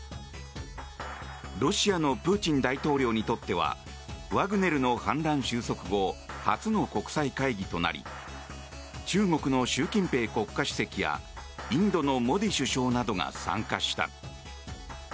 ロシアのプーチン大統領にとってはワグネルの反乱収束後初の国際会議となり中国の習近平国家主席やインドのモディ首相などが参加した。